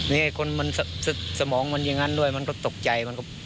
นี่คนมันสมองมันอย่างนั้นด้วยมันก็ตกใจ